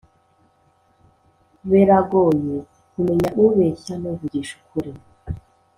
beragoye kumenya ubeshya nuvugisha ukuri